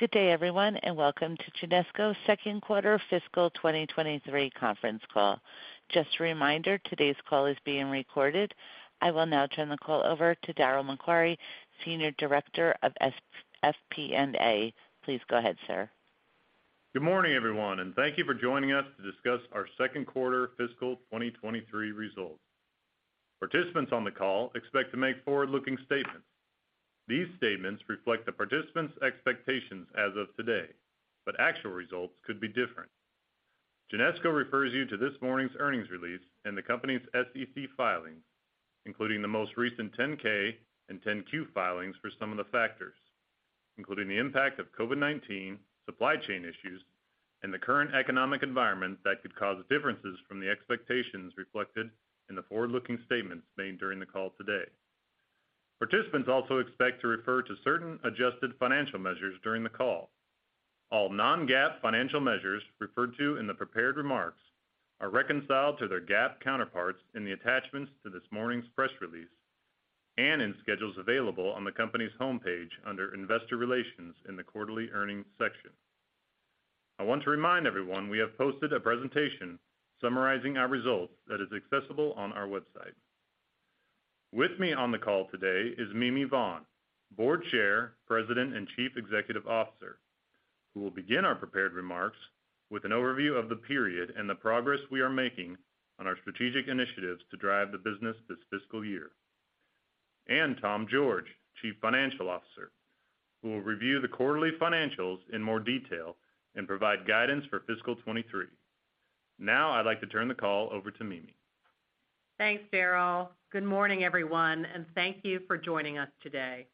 Good day, everyone, and welcome to Genesco second quarter fiscal 2023 conference call. Just a reminder, today's call is being recorded. I will now turn the call over to Darryl MacQuarrie, Senior Director of FP&A. Please go ahead, sir. Good morning, everyone, and thank you for joining us to discuss our second quarter fiscal 2023 results. Participants on the call expect to make forward-looking statements. These statements reflect the participants' expectations as of today, but actual results could be different. Genesco refers you to this morning's earnings release and the company's SEC filings, including the most recent 10-K and 10-Q filings for some of the factors, including the impact of COVID-19, supply chain issues, and the current economic environment that could cause differences from the expectations reflected in the forward-looking statements made during the call today. Participants also expect to refer to certain adjusted financial measures during the call. All non-GAAP financial measures referred to in the prepared remarks are reconciled to their GAAP counterparts in the attachments to this morning's press release and in schedules available on the company's homepage under Investor Relations in the Quarterly Earnings section. I want to remind everyone we have posted a presentation summarizing our results that is accessible on our website. With me on the call today is Mimi Vaughn, Board Chair, President, and Chief Executive Officer, who will begin our prepared remarks with an overview of the period and the progress we are making on our strategic initiatives to drive the business this fiscal year. Tom George, Chief Financial Officer, who will review the quarterly financials in more detail and provide guidance for fiscal 2023. Now I'd like to turn the call over to Mimi. Thanks, Darryl. Good morning, everyone, and thank you for joining us today.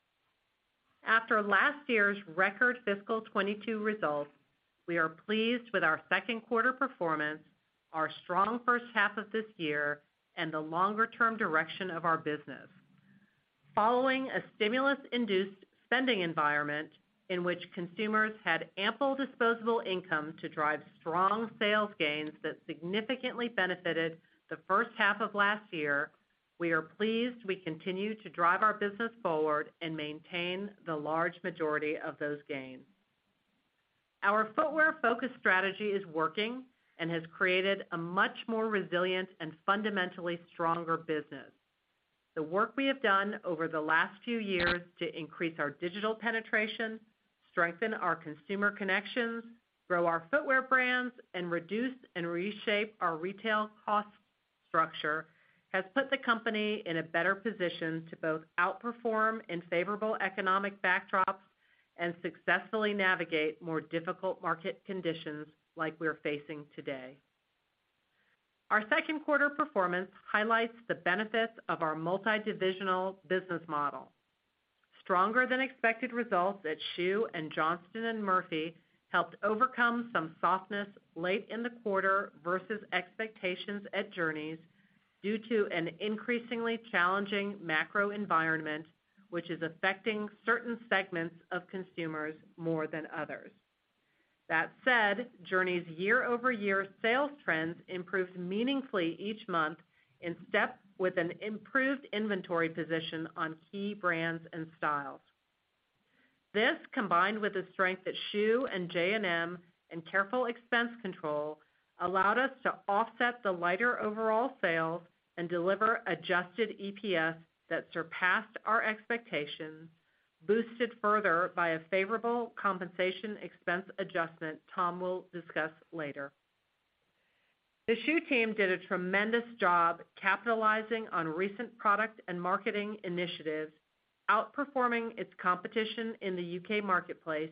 After last year's record fiscal 2022 results, we are pleased with our second quarter performance, our strong first half of this year, and the longer-term direction of our business. Following a stimulus-induced spending environment in which consumers had ample disposable income to drive strong sales gains that significantly benefited the first half of last year, we are pleased we continue to drive our business forward and maintain the large majority of those gains. Our footwear-focused strategy is working and has created a much more resilient and fundamentally stronger business. The work we have done over the last few years to increase our digital penetration, strengthen our consumer connections, grow our footwear brands, and reduce and reshape our retail cost structure has put the company in a better position to both outperform in favorable economic backdrops and successfully navigate more difficult market conditions like we are facing today. Our second quarter performance highlights the benefits of our multidivisional business model. Stronger than expected results at Schuh and Johnston & Murphy helped overcome some softness late in the quarter versus expectations at Journeys due to an increasingly challenging macro environment, which is affecting certain segments of consumers more than others. That said, Journeys year-over-year sales trends improved meaningfully each month in step with an improved inventory position on key brands and styles. This, combined with the strength at Schuh and J&M and careful expense control, allowed us to offset the lighter overall sales and deliver Adjusted EPS that surpassed our expectations, boosted further by a favorable compensation expense adjustment Tom will discuss later. The Schuh team did a tremendous job capitalizing on recent product and marketing initiatives, outperforming its competition in the U.K. marketplace,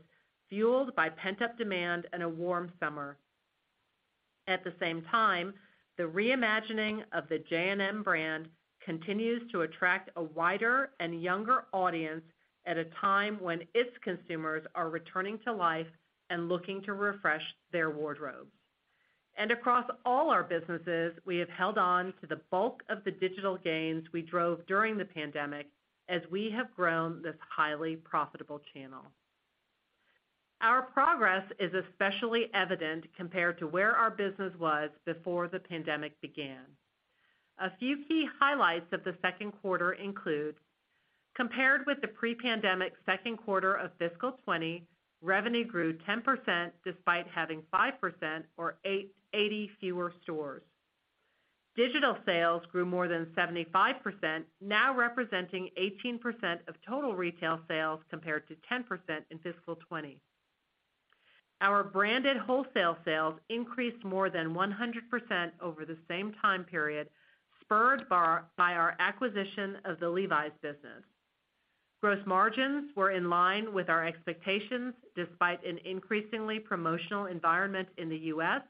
fueled by pent-up demand and a warm summer. At the same time, the reimagining of the J&M brand continues to attract a wider and younger audience at a time when its consumers are returning to life and looking to refresh their wardrobes. Across all our businesses, we have held on to the bulk of the digital gains we drove during the pandemic as we have grown this highly profitable channel. Our progress is especially evident compared to where our business was before the pandemic began. A few key highlights of the second quarter include, compared with the pre-pandemic second quarter of fiscal 2020, revenue grew 10% despite having 5% or 80 fewer stores. Digital sales grew more than 75%, now representing 18% of total retail sales, compared to 10% in fiscal 2020. Our branded wholesale sales increased more than 100% over the same time period, spurred by our acquisition of the Levi's business. Gross margins were in line with our expectations despite an increasingly promotional environment in the U.S.,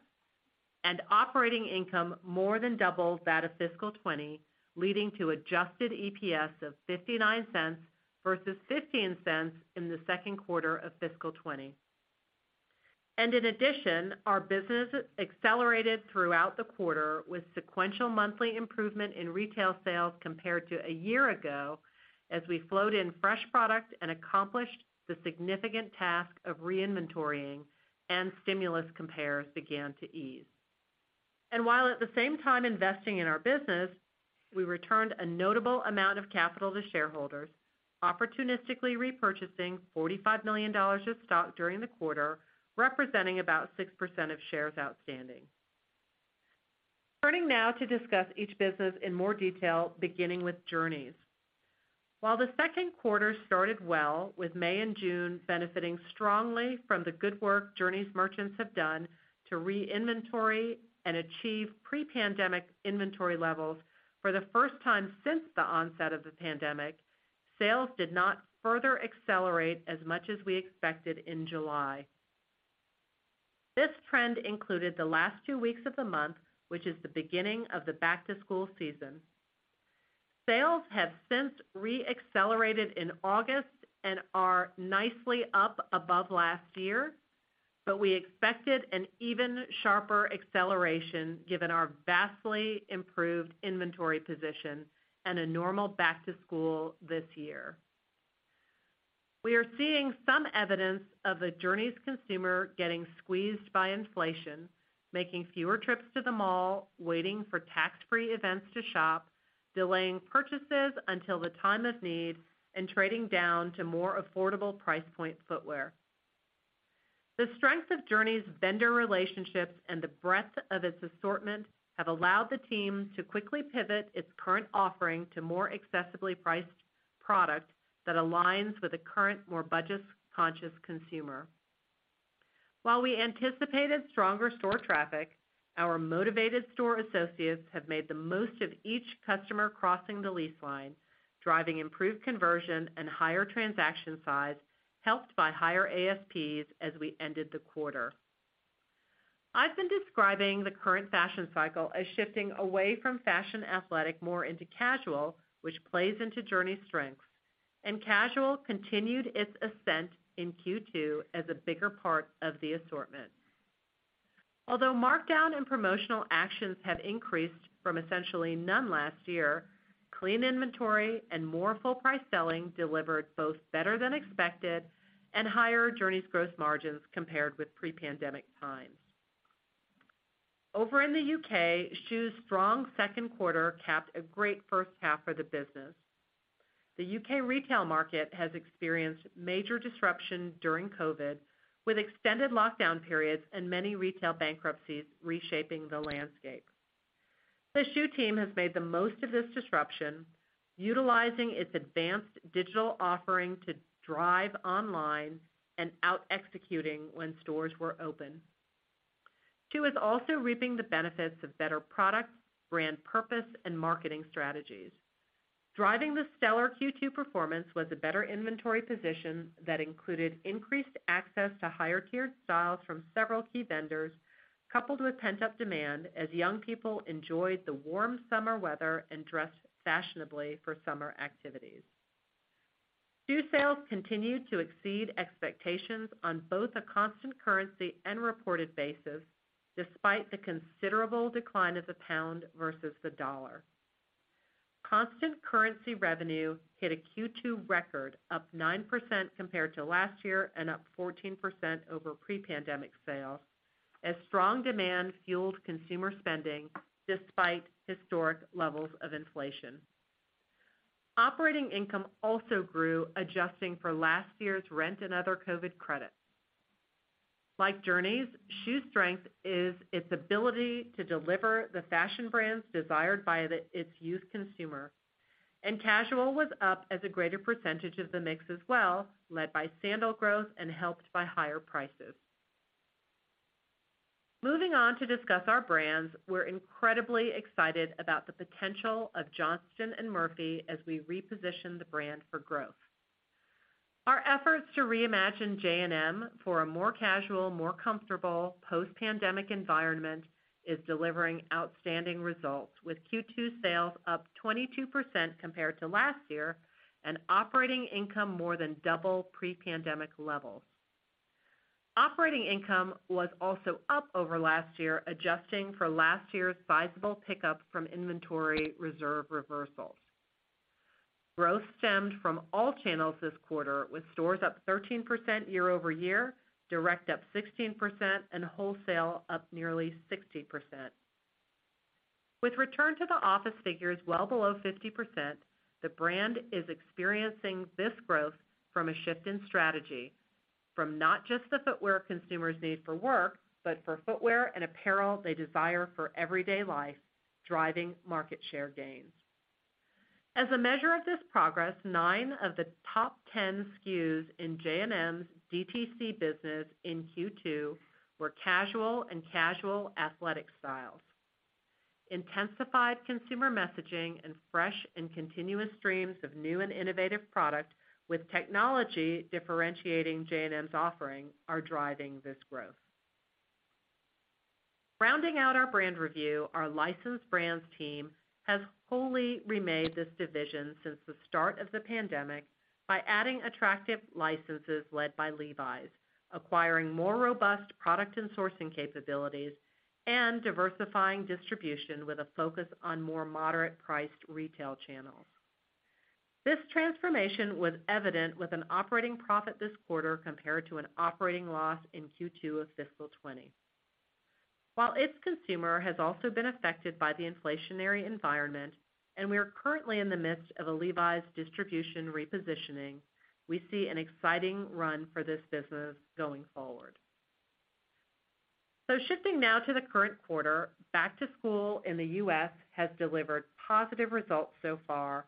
and operating income more than doubled that of fiscal 2020, leading to adjusted EPS of $0.59 versus $0.15 in the second quarter of fiscal 2020. In addition, our business accelerated throughout the quarter with sequential monthly improvement in retail sales compared to a year ago as we flowed in fresh product and accomplished the significant task of reinventorying and stimulus comps began to ease. While at the same time investing in our business, we returned a notable amount of capital to shareholders, opportunistically repurchasing $45 million of stock during the quarter, representing about 6% of shares outstanding. Turning now to discuss each business in more detail, beginning with Journeys. While the second quarter started well, with May and June benefiting strongly from the good work Journeys merchants have done to reinventory and achieve pre-pandemic inventory levels for the first time since the onset of the pandemic, sales did not further accelerate as much as we expected in July. This trend included the last two weeks of the month, which is the beginning of the back-to-school season. Sales have since re-accelerated in August and are nicely up above last year, but we expected an even sharper acceleration given our vastly improved inventory position and a normal back to school this year. We are seeing some evidence of the Journeys consumer getting squeezed by inflation, making fewer trips to the mall, waiting for tax-free events to shop, delaying purchases until the time of need, and trading down to more affordable price point footwear. The strength of Journeys' vendor relationships and the breadth of its assortment have allowed the team to quickly pivot its current offering to more accessibly priced product that aligns with a current, more budget-conscious consumer. While we anticipated stronger store traffic, our motivated store associates have made the most of each customer crossing the lease line, driving improved conversion and higher transaction size, helped by higher ASPs as we ended the quarter. I've been describing the current fashion cycle as shifting away from fashion athletic more into casual, which plays into Journeys' strengths. Casual continued its ascent in Q2 as a bigger part of the assortment. Although markdown and promotional actions have increased from essentially none last year, clean inventory and more full price selling delivered both better than expected and higher Journeys gross margins compared with pre-pandemic times. Over in the U.K., Schuh's strong second quarter capped a great first half for the business. The U.K. retail market has experienced major disruption during COVID, with extended lockdown periods and many retail bankruptcies reshaping the landscape. The Schuh team has made the most of this disruption, utilizing its advanced digital offering to drive online and out-executing when stores were open. Schuh is also reaping the benefits of better product, brand purpose, and marketing strategies. Driving the stellar Q2 performance was a better inventory position that included increased access to higher-tiered styles from several key vendors, coupled with pent-up demand as young people enjoyed the warm summer weather and dressed fashionably for summer activities. Schuh sales continued to exceed expectations on both a constant currency and reported basis, despite the considerable decline of the pound versus the dollar. Constant currency revenue hit a Q2 record, up 9% compared to last year and up 14% over pre-pandemic sales, as strong demand fueled consumer spending despite historic levels of inflation. Operating income also grew, adjusting for last year's rent and other COVID credits. Like Journeys, Schuh's strength is its ability to deliver the fashion brands desired by its youth consumer, and casual was up as a greater percentage of the mix as well, led by sandal growth and helped by higher prices. Moving on to discuss our brands, we're incredibly excited about the potential of Johnston & Murphy as we reposition the brand for growth. Our efforts to reimagine J&M for a more casual, more comfortable post-pandemic environment is delivering outstanding results, with Q2 sales up 22% compared to last year and operating income more than double pre-pandemic levels. Operating income was also up over last year, adjusting for last year's sizable pickup from inventory reserve reversals. Growth stemmed from all channels this quarter, with stores up 13% year-over-year, direct up 16%, and wholesale up nearly 60%. With return to the office figures well below 50%, the brand is experiencing this growth from a shift in strategy from not just the footwear consumers need for work, but for footwear and apparel they desire for everyday life, driving market share gains. As a measure of this progress, nine of the top 10 SKUs in J&M's DTC business in Q2 were casual and casual athletic styles. Intensified consumer messaging and fresh and continuous streams of new and innovative product with technology differentiating J&M's offering are driving this growth. Rounding out our brand review, our licensed brands team has wholly remade this division since the start of the pandemic by adding attractive licenses led by Levi's, acquiring more robust product and sourcing capabilities, and diversifying distribution with a focus on more moderate-priced retail channels. This transformation was evident with an operating profit this quarter compared to an operating loss in Q2 of fiscal 2020. While its consumer has also been affected by the inflationary environment, and we are currently in the midst of a Levi's distribution repositioning, we see an exciting run for this business going forward. Shifting now to the current quarter, back to school in the U.S. has delivered positive results so far,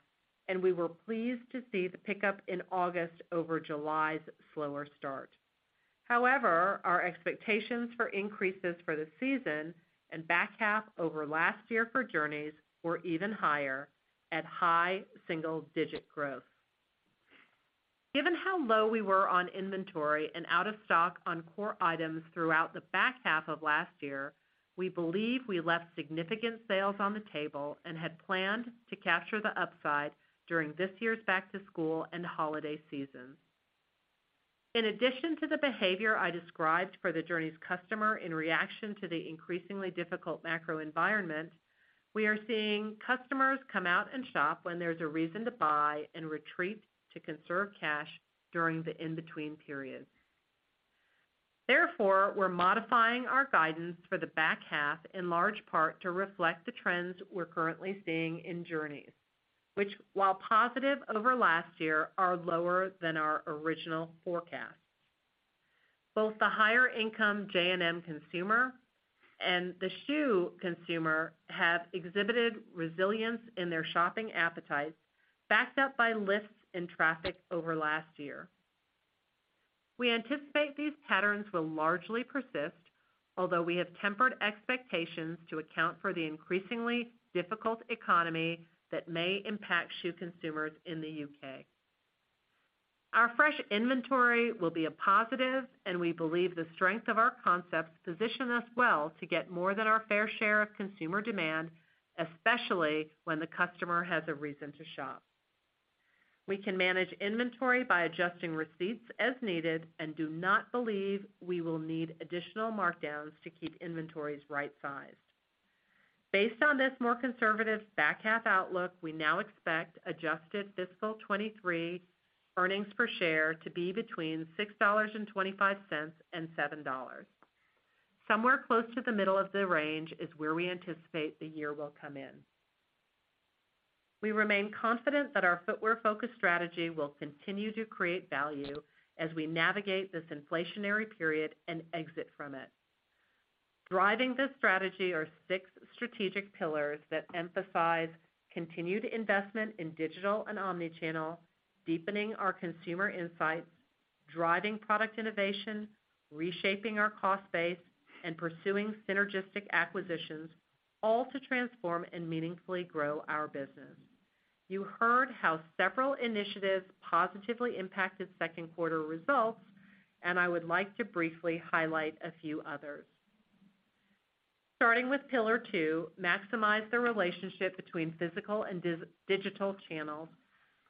and we were pleased to see the pickup in August over July's slower start. However, our expectations for increases for the season and back half over last year for Journeys were even higher at high single-digit% growth. Given how low we were on inventory and out of stock on core items throughout the back half of last year, we believe we left significant sales on the table and had planned to capture the upside during this year's back-to-school and holiday seasons. In addition to the behavior I described for the Journeys customer in reaction to the increasingly difficult macro environment, we are seeing customers come out and shop when there's a reason to buy and retreat to conserve cash during the in-between periods. Therefore, we're modifying our guidance for the back half in large part to reflect the trends we're currently seeing in Journeys, which while positive over last year, are lower than our original forecast. Both the higher income J&M consumer and the Schuh consumer have exhibited resilience in their shopping appetites, backed up by lifts in traffic over last year. We anticipate these patterns will largely persist, although we have tempered expectations to account for the increasingly difficult economy that may impact Schuh consumers in the U.K. Our fresh inventory will be a positive, and we believe the strength of our concepts position us well to get more than our fair share of consumer demand, especially when the customer has a reason to shop. We can manage inventory by adjusting receipts as needed and do not believe we will need additional markdowns to keep inventories right-sized. Based on this more conservative back-half outlook, we now expect adjusted fiscal 2023 earnings per share to be between $6.25 and $7. Somewhere close to the middle of the range is where we anticipate the year will come in. We remain confident that our footwear-focused strategy will continue to create value as we navigate this inflationary period and exit from it. Driving this strategy are six strategic pillars that emphasize continued investment in digital and omnichannel, deepening our consumer insights, driving product innovation, reshaping our cost base, and pursuing synergistic acquisitions, all to transform and meaningfully grow our business. You heard how several initiatives positively impacted second quarter results, and I would like to briefly highlight a few others. Starting with pillar two, maximize the relationship between physical and digital channels.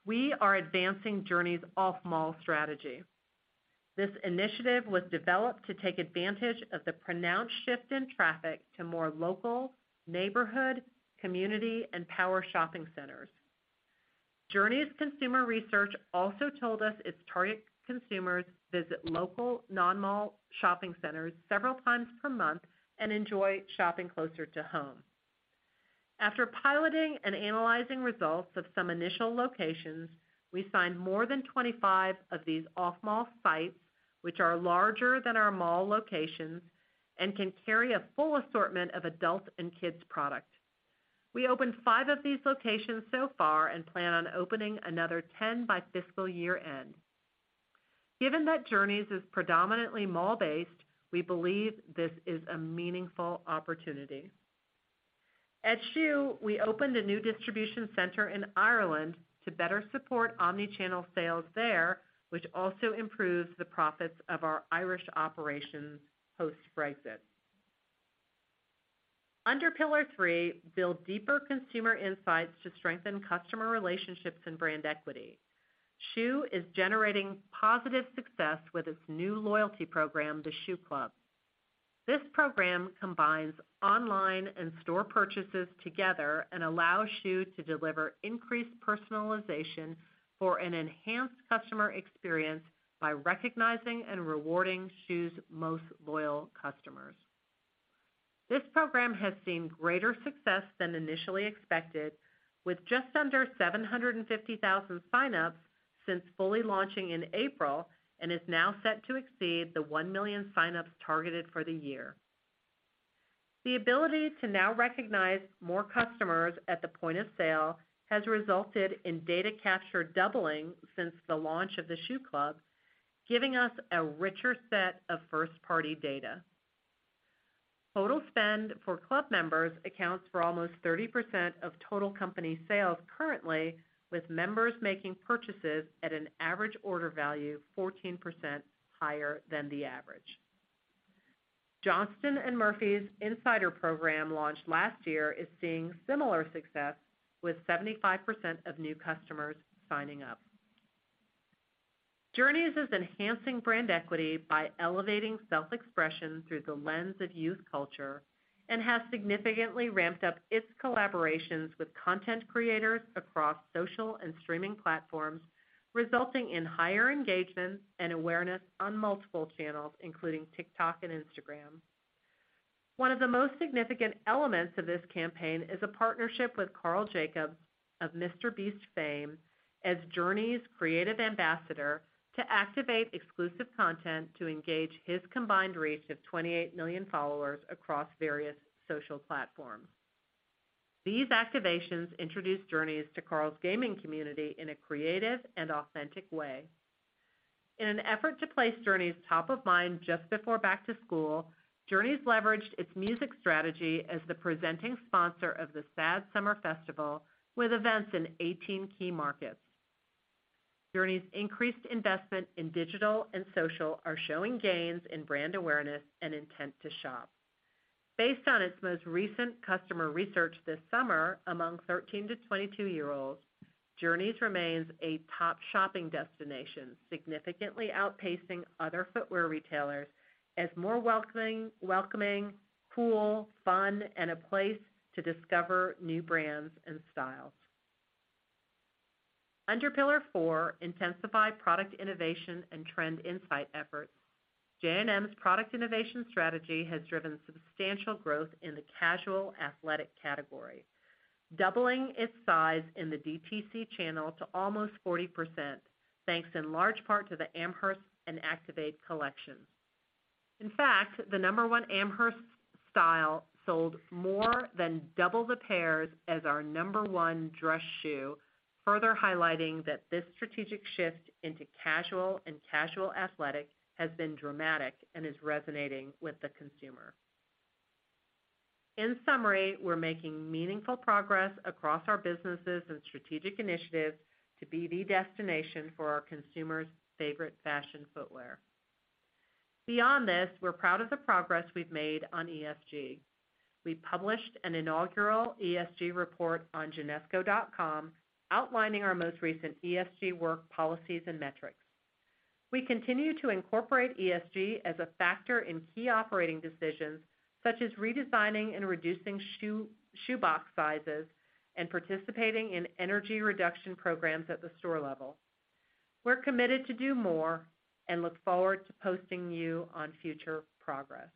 We are advancing Journeys off-mall strategy. This initiative was developed to take advantage of the pronounced shift in traffic to more local, neighborhood, community, and power shopping centers. Journeys consumer research also told us its target consumers visit local non-mall shopping centers several times per month and enjoy shopping closer to home. After piloting and analyzing results of some initial locations, we signed more than 25 of these off-mall sites, which are larger than our mall locations and can carry a full assortment of adult and kids product. We opened five of these locations so far and plan on opening another 10 by fiscal year-end. Given that Journeys is predominantly mall-based, we believe this is a meaningful opportunity. At Schuh, we opened a new distribution center in Ireland to better support omnichannel sales there, which also improves the profits of our Irish operations post-Brexit. Under pillar three, build deeper consumer insights to strengthen customer relationships and brand equity. Schuh is generating positive success with its new loyalty program, the Schuh Club. This program combines online and store purchases together and allows Schuh to deliver increased personalization for an enhanced customer experience by recognizing and rewarding Schuh's most loyal customers. This program has seen greater success than initially expected with just under 750,000 sign-ups since fully launching in April and is now set to exceed the 1 million sign-ups targeted for the year. The ability to now recognize more customers at the point of sale has resulted in data capture doubling since the launch of the Schuh Club, giving us a richer set of first-party data. Total spend for Club members accounts for almost 30% of total company sales currently, with members making purchases at an average order value 14% higher than the average. Johnston & Murphy's Insider program, launched last year, is seeing similar success with 75% of new customers signing up. Journeys is enhancing brand equity by elevating self-expression through the lens of youth culture, and has significantly ramped up its collaborations with content creators across social and streaming platforms, resulting in higher engagement and awareness on multiple channels, including TikTok and Instagram. One of the most significant elements of this campaign is a partnership with Karl Jacobs of MrBeast fame as Journeys creative ambassador to activate exclusive content to engage his combined reach of 28 million followers across various social platforms. These activations introduce Journeys to Karl's gaming community in a creative and authentic way. In an effort to place Journeys top of mind just before back to school, Journeys leveraged its music strategy as the presenting sponsor of the Sad Summer Festival with events in 18 key markets. Journeys increased investment in digital and social are showing gains in brand awareness and intent to shop. Based on its most recent customer research this summer, among 13–22-year-olds, Journeys remains a top shopping destination, significantly outpacing other footwear retailers as more welcoming, cool, fun, and a place to discover new brands and styles. Under Pillar 4, Intensify product innovation and trend insight efforts, J&M's product innovation strategy has driven substantial growth in the casual athletic category, doubling its size in the DTC channel to almost 40% thanks in large part to the Amherst and Activate collection. In fact, the number one Amherst style sold more than double the pairs as our number one dress shoe, further highlighting that this strategic shift into casual and casual athletic has been dramatic and is resonating with the consumer. In summary, we're making meaningful progress across our businesses and strategic initiatives to be the destination for our consumers' favorite fashion footwear. Beyond this, we're proud of the progress we've made on ESG. We published an inaugural ESG report on genesco.com outlining our most recent ESG work policies and metrics. We continue to incorporate ESG as a factor in key operating decisions such as redesigning and reducing shoe box sizes and participating in energy reduction programs at the store level. We're committed to do more and look forward to keeping you posted on future progress.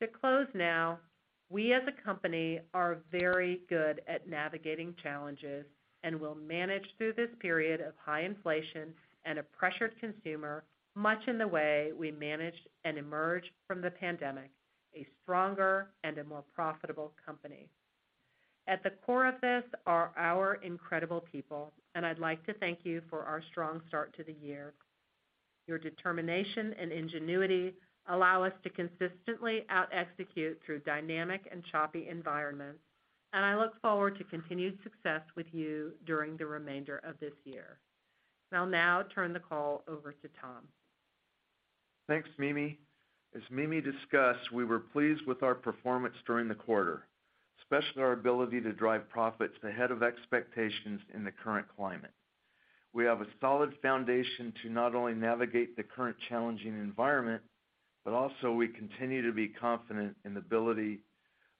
To close now, we, as a company, are very good at navigating challenges, and we'll manage through this period of high inflation and a pressured consumer, much in the way we managed and emerged from the pandemic, a stronger and a more profitable company. At the core of this are our incredible people, and I'd like to thank you for our strong start to the year. Your determination and ingenuity allow us to consistently out-execute through dynamic and choppy environments, and I look forward to continued success with you during the remainder of this year. I'll now turn the call over to Tom. Thanks, Mimi. As Mimi discussed, we were pleased with our performance during the quarter, especially our ability to drive profits ahead of expectations in the current climate. We have a solid foundation to not only navigate the current challenging environment, but also we continue to be confident in the ability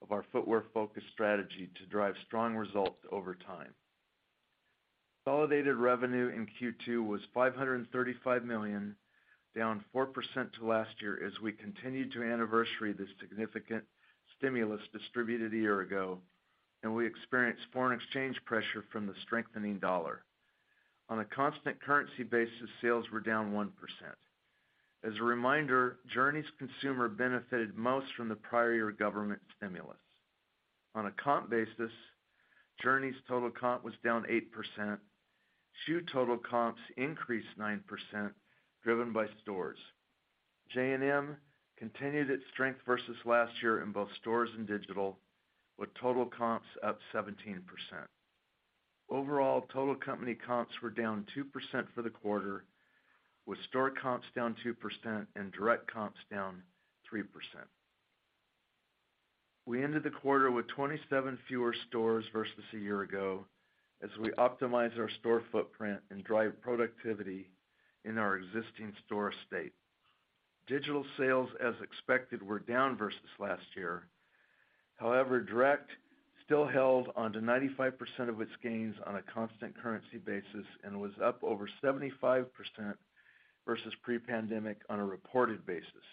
of our footwear-focused strategy to drive strong results over time. Consolidated revenue in Q2 was $535 million, down 4% to last year as we continue to anniversary the significant stimulus distributed a year ago, and we experienced foreign exchange pressure from the strengthening dollar. On a constant currency basis, sales were down 1%. As a reminder, Journeys consumer benefited most from the prior year government stimulus. On a comp basis, Journeys total comp was down 8%. Schuh total comps increased 9%, driven by stores. J&M continued its strength versus last year in both stores and digital, with total comps up 17%. Overall, total company comps were down 2% for the quarter, with store comps down 2% and direct comps down 3%. We ended the quarter with 27 fewer stores versus a year ago, as we optimize our store footprint and drive productivity in our existing store estate. Digital sales, as expected, were down versus last year. However, direct still held on to 95% of its gains on a constant currency basis and was up over 75% versus pre-pandemic on a reported basis.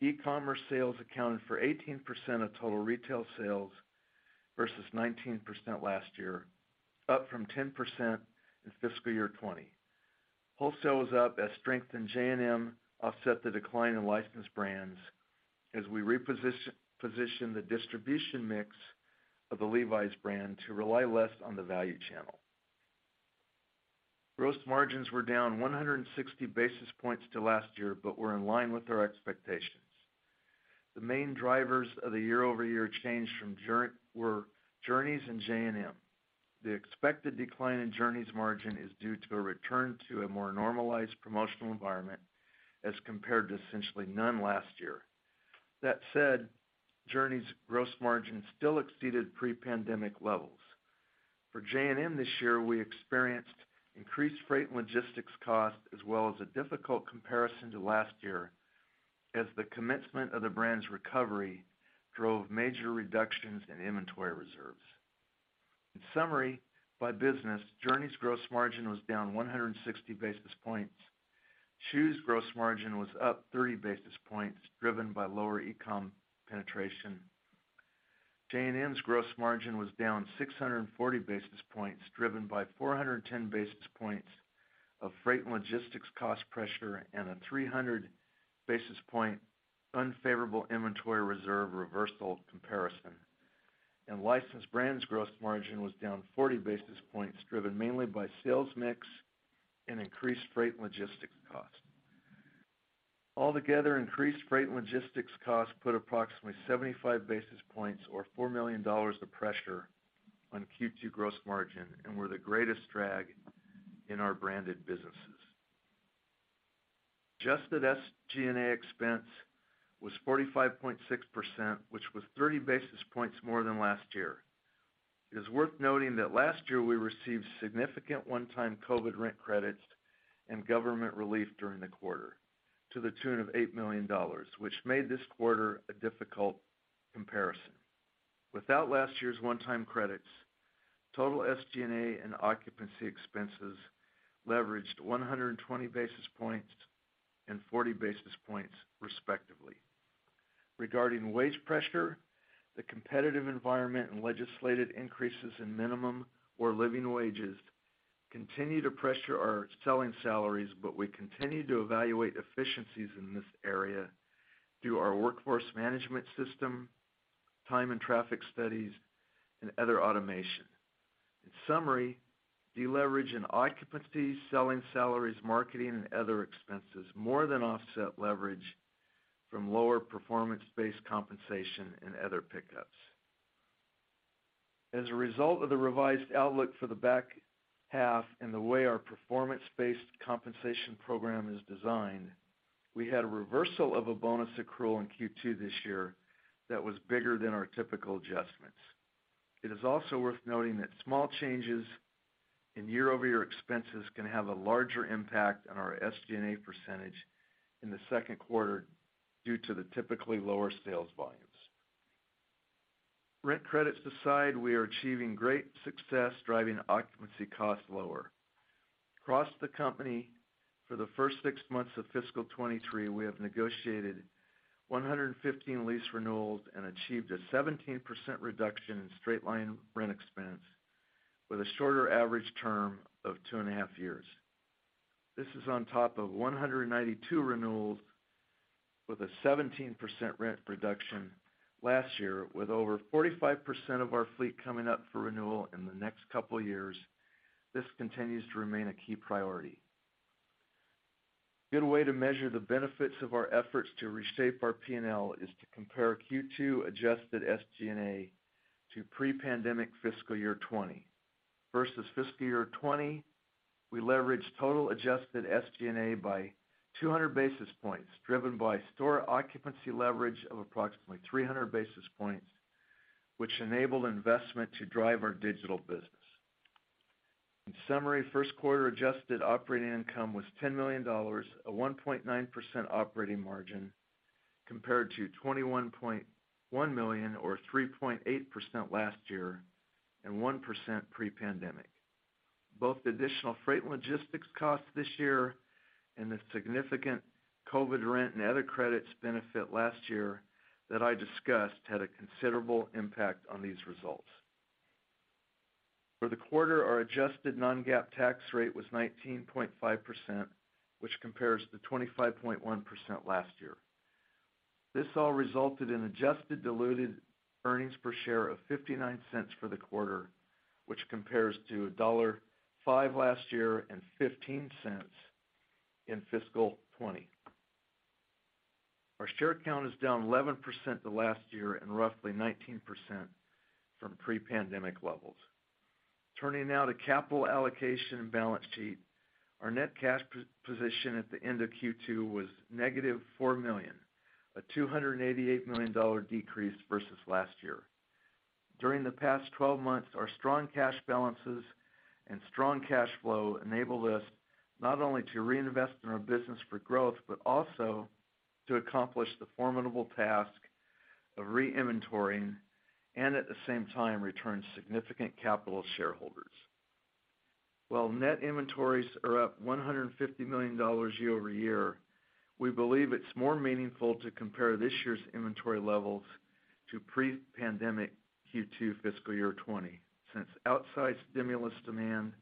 E-commerce sales accounted for 18% of total retail sales versus 19% last year, up from 10% in fiscal year 2020. Wholesale was up as strength in J&M offset the decline in licensed brands as we reposition, position the distribution mix of the Levi's brand to rely less on the value channel. Gross margins were down 160 basis points to last year, but were in line with our expectations. The main drivers of the year-over-year change from Journeys were Journeys and J&M. The expected decline in Journeys margin is due to a return to a more normalized promotional environment as compared to essentially none last year. That said, Journeys gross margin still exceeded pre-pandemic levels. For J&M this year, we experienced increased freight and logistics costs as well as a difficult comparison to last year as the commencement of the brand's recovery drove major reductions in inventory reserves. In summary, by business, Journeys gross margin was down 160 basis points. Shoes gross margin was up 30 basis points, driven by lower e-com penetration. J&M's gross margin was down 640 basis points, driven by 410 basis points of freight and logistics cost pressure and a 300 basis point unfavorable inventory reserve reversal comparison. Licensed Brands gross margin was down 40 basis points, driven mainly by sales mix and increased freight and logistics costs. Altogether, increased freight and logistics costs put approximately 75 basis points or $4 million of pressure on Q2 gross margin and were the greatest drag in our branded businesses. Adjusted SG&A expense was 45.6%, which was 30 basis points more than last year. It is worth noting that last year we received significant one-time COVID rent credits and government relief during the quarter to the tune of $8 million, which made this quarter a difficult comparison. Without last year's one-time credits, total SG&A and occupancy expenses leveraged 120 basis points and 40 basis points, respectively. Regarding wage pressure, the competitive environment and legislated increases in minimum or living wages continue to pressure our selling salaries, but we continue to evaluate efficiencies in this area through our workforce management system, time and traffic studies, and other automation. In summary, deleverage in occupancy, selling salaries, marketing, and other expenses more than offset leverage from lower performance-based compensation and other pickups. As a result of the revised outlook for the back half and the way our performance-based compensation program is designed, we had a reversal of a bonus accrual in Q2 this year that was bigger than our typical adjustments. It is also worth noting that small changes in year-over-year expenses can have a larger impact on our SG&A percentage in the second quarter due to the typically lower sales volumes. Rent credits aside, we are achieving great success driving occupancy costs lower. Across the company for the first six months of fiscal 2023, we have negotiated 115 lease renewals and achieved a 17% reduction in straight-line rent expense with a shorter average term of two and a half years. This is on top of 192 renewals with a 17% rent reduction last year, with over 45% of our fleet coming up for renewal in the next couple years. This continues to remain a key priority. A good way to measure the benefits of our efforts to reshape our P&L is to compare Q2 Adjusted SG&A to pre-pandemic fiscal year 2020. Versus fiscal year 2020, we leveraged total Adjusted SG&A by 200 basis points, driven by store occupancy leverage of approximately 300 basis points, which enabled investment to drive our digital business. In summary, first quarter adjusted operating income was $10 million, a 1.9% operating margin compared to $21.1 million or 3.8% last year and 1% pre-pandemic. Both the additional freight and logistics costs this year and the significant COVID rent and other credits benefit last year that I discussed had a considerable impact on these results. For the quarter, our Adjusted non-GAAP tax rate was 19.5%, which compares to 25.1% last year. This all resulted in adjusted diluted earnings per share of $0.59 for the quarter, which compares to $1.05 last year and $0.15 in fiscal 2020. Our share count is down 11% to last year and roughly 19% from pre-pandemic levels. Turning now to capital allocation and balance sheet. Our net cash position at the end of Q2 was -$4 million, a $288 million decrease versus last year. During the past 12 months, our strong cash balances and strong cash flow enabled us not only to reinvest in our business for growth, but also to accomplish the formidable task of re-inventorying and at the same time return significant capital to shareholders. While net inventories are up $150 million year-over-year, we believe it's more meaningful to compare this year's inventory levels to pre-pandemic Q2 fiscal year 2020, since outsized stimulus demand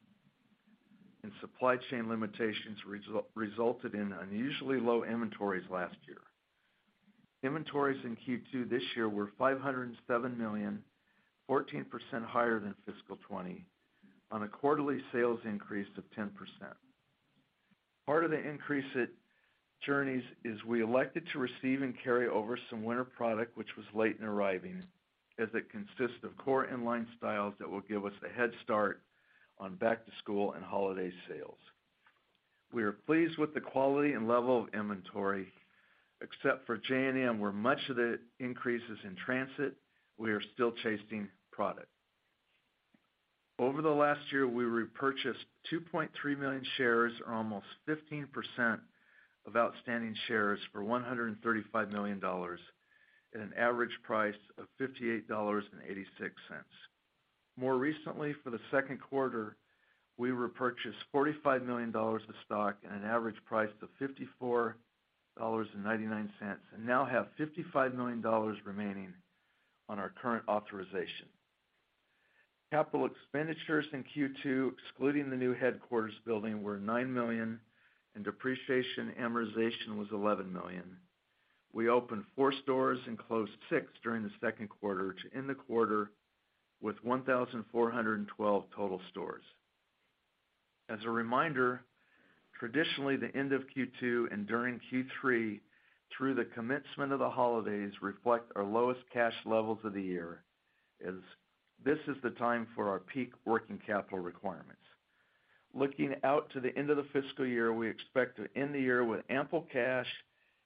and supply chain limitations resulted in unusually low inventories last year. Inventories in Q2 this year were $507 million, 14% higher than fiscal 2020 on a quarterly sales increase of 10%. Part of the increase at Journeys is we elected to receive and carry over some winter product which was late in arriving, as it consists of core in-line styles that will give us a head start on back-to-school and holiday sales. We are pleased with the quality and level of inventory, except for J&M, where much of the increase is in transit. We are still chasing product. Over the last year, we repurchased 2.3 million shares, or almost 15% of outstanding shares for $135 million at an average price of $58.86. More recently, for the second quarter, we repurchased $45 million of stock at an average price of $54.99, and now have $55 million remaining on our current authorization. Capital expenditures in Q2, excluding the new headquarters building, were $9 million and depreciation and amortization was $11 million. We opened stores stores and closed six during the second quarter, to end the quarter with 1,412 total stores. As a reminder, traditionally the end of Q2 and during Q3 through the commencement of the holidays reflect our lowest cash levels of the year, as this is the time for our peak working capital requirements. Looking out to the end of the fiscal year, we expect to end the year with ample cash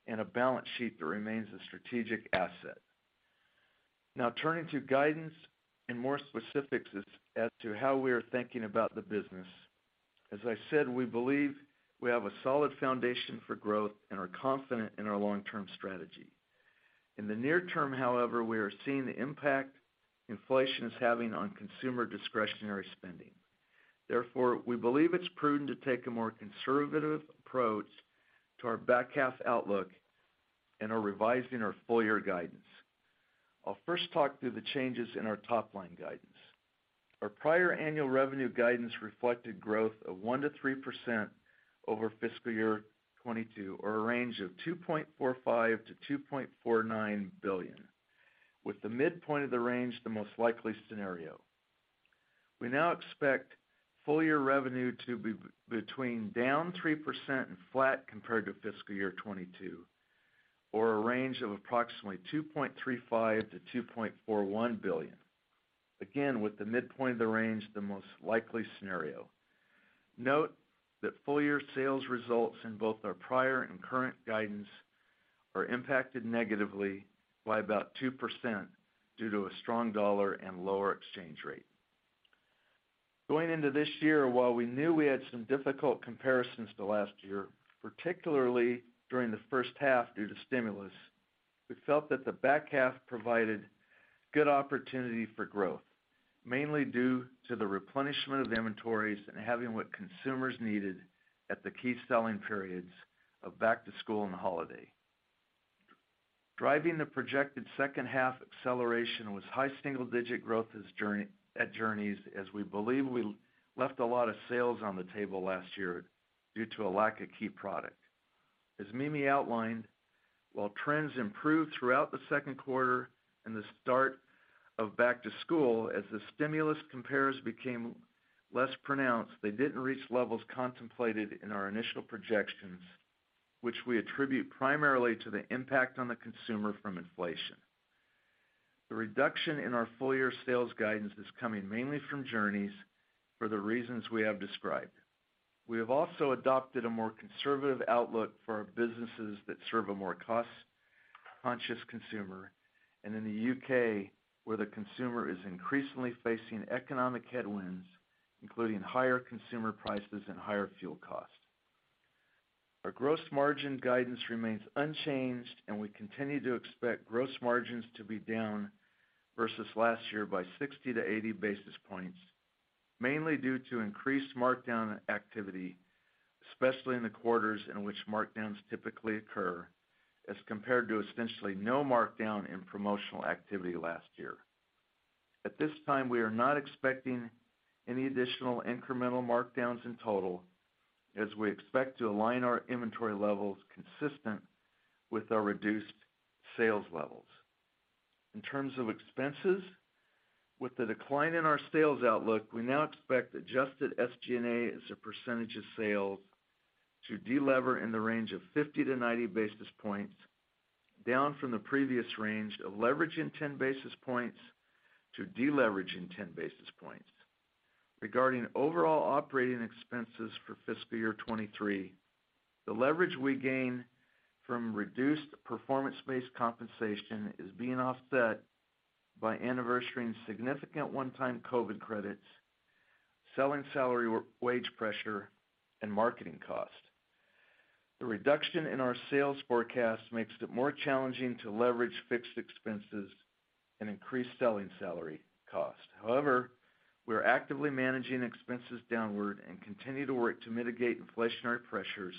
and a balance sheet that remains a strategic asset. Now turning to guidance and more specifics as to how we are thinking about the business. As I said, we believe we have a solid foundation for growth and are confident in our long-term strategy. In the near term, however, we are seeing the impact inflation is having on consumer discretionary spending. Therefore, we believe it's prudent to take a more conservative approach to our back half outlook and are revising our full year guidance. I'll first talk through the changes in our top-line guidance. Our prior annual revenue guidance reflected growth of 1%-3% over fiscal year 2022, or a range of $2.45 billion-$2.49 billion, with the midpoint of the range the most likely scenario. We now expect full year revenue to be between down 3% and flat compared to fiscal year 2022, or a range of approximately $2.35 billion-$2.41 billion. Again, with the midpoint of the range the most likely scenario. Note that full year sales results in both our prior and current guidance are impacted negatively by about 2% due to a strong dollar and lower exchange rate. Going into this year, while we knew we had some difficult comparisons to last year, particularly during the first half due to stimulus, we felt that the back half provided good opportunity for growth, mainly due to the replenishment of inventories and having what consumers needed at the key selling periods of back to school and holiday. Driving the projected second half acceleration was high single-digit growth at Journeys as we believe we left a lot of sales on the table last year due to a lack of key product. As Mimi outlined, while trends improved throughout the second quarter and the start of back to school, as the stimulus compares became less pronounced, they didn't reach levels contemplated in our initial projections, which we attribute primarily to the impact on the consumer from inflation. The reduction in our full year sales guidance is coming mainly from Journeys for the reasons we have described. We have also adopted a more conservative outlook for our businesses that serve a more cost-conscious consumer, and in the U.K., where the consumer is increasingly facing economic headwinds, including higher consumer prices and higher fuel costs. Our gross margin guidance remains unchanged, and we continue to expect gross margins to be down versus last year by 60-80 basis points, mainly due to increased markdown activity, especially in the quarters in which markdowns typically occur, as compared to essentially no markdown in promotional activity last year. At this time, we are not expecting any additional incremental markdowns in total, as we expect to align our inventory levels consistent with our reduced sales levels. In terms of expenses, with the decline in our sales outlook, we now expect Adjusted SG&A as a percentage of sales to delever in the range of 50-90 basis points, down from the previous range of leverage in 10 basis points to deleverage in 10 basis points. Regarding overall operating expenses for fiscal year 2023, the leverage we gain from reduced performance-based compensation is being offset by anniversarying significant one-time COVID credits, selling salary wage pressure, and marketing costs. The reduction in our sales forecast makes it more challenging to leverage fixed expenses and increase selling salary cost. However, we are actively managing expenses downward and continue to work to mitigate inflationary pressures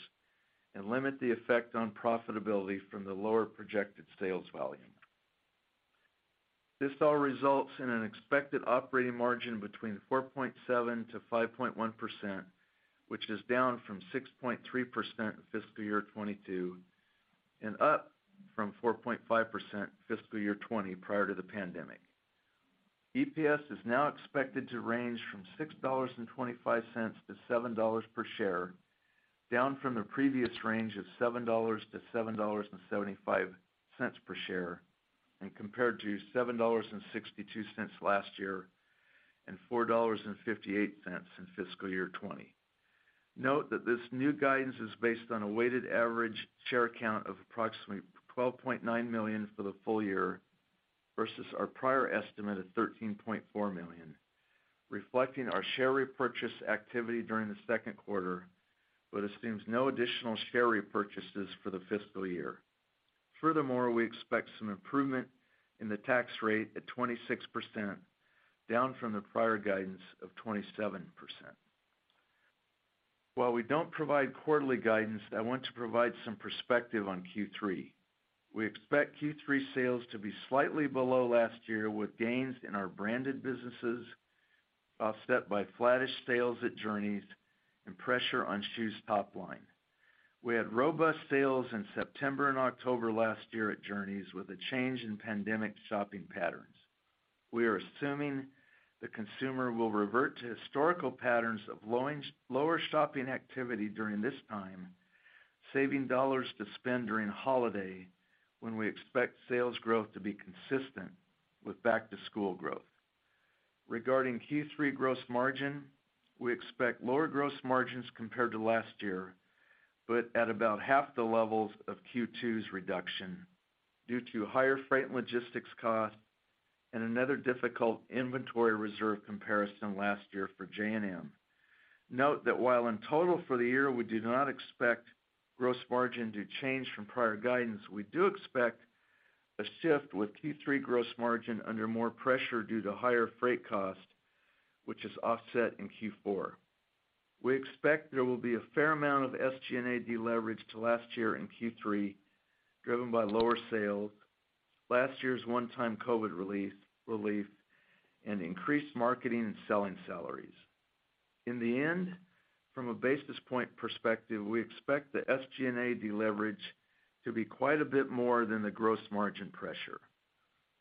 and limit the effect on profitability from the lower projected sales volume. This all results in an expected operating margin between 4.7%-5.1%, which is down from 6.3% in fiscal year 2022 and up from 4.5% fiscal year 2020 prior to the pandemic. EPS is now expected to range from $6.25-$7 per share, down from the previous range of $7-$7.75 per share, and compared to $7.62 last year and $4.58 in fiscal year 2020. Note that this new guidance is based on a weighted average share count of approximately 12.9 million for the full year versus our prior estimate of 13.4 million, reflecting our share repurchase activity during the second quarter, but assumes no additional share repurchases for the fiscal year. Furthermore, we expect some improvement in the tax rate at 26%, down from the prior guidance of 27%. While we don't provide quarterly guidance, I want to provide some perspective on Q3. We expect Q3 sales to be slightly below last year, with gains in our branded businesses offset by flattish sales at Journeys and pressure on Schuh's top line. We had robust sales in September and October last year at Journeys with a change in pandemic shopping patterns. We are assuming the consumer will revert to historical patterns of lower shopping activity during this time, saving dollars to spend during holiday when we expect sales growth to be consistent with back-to-school growth. Regarding Q3 gross margin, we expect lower gross margins compared to last year, but at about half the levels of Q2's reduction due to higher freight and logistics costs and another difficult inventory reserve comparison last year for J&M. Note that while in total for the year, we do not expect gross margin to change from prior guidance, we do expect a shift with Q3 gross margin under more pressure due to higher freight cost, which is offset in Q4. We expect there will be a fair amount of SG&A deleverage to last year in Q3, driven by lower sales, last year's one-time COVID relief and increased marketing and selling salaries. In the end, from a basis point perspective, we expect the SG&A deleverage to be quite a bit more than the gross margin pressure.